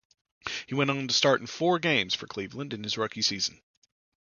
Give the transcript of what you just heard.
He went on to start in four games for Cleveland in his rookie season.